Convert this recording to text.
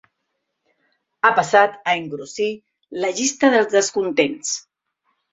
Ha passat a engrossir la llista dels descontents.